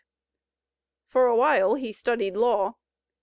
For a while he studied law.